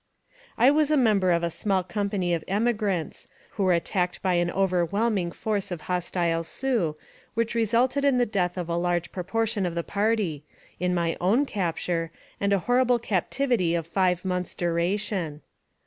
I was a member of a small company of emigrants, who were attacked by an overwhelming force of hos tile Sioux, which resulted in the death of a large pro VI INTRODUCTORY. portion of the party, in my own capture, and a horri ble captivity of five months' duration.